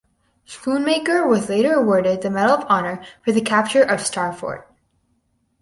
Schoonmaker was later awarded the Medal of Honor for the capture of Star Fort.